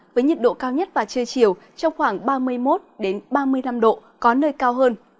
với nhiệt độ cao nhất và trưa chiều trong khoảng ba mươi một ba mươi năm độ có nơi cao hơn